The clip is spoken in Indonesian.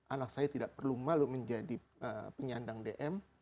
anak saya tidak perlu malu menjadi penyandang dm